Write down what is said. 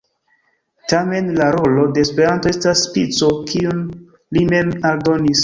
Tamen la rolo de Esperanto estas spico, kiun li mem aldonis.